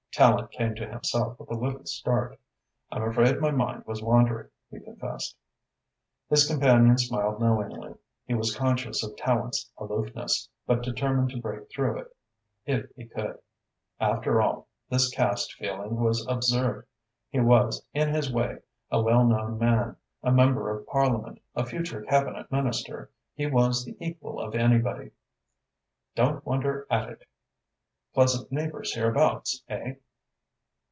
Tallente came to himself with a little start. "I'm afraid my mind was wandering," he confessed. His companion smiled knowingly. He was conscious of Tallente's aloofness, but determined to break through it if he could. After all, this caste feeling was absurd. He was, in his way, a well known man, a Member of Parliament, a future Cabinet Minister. He was the equal of anybody. "Don't wonder at it! Pleasant neighbours hereabouts, eh?"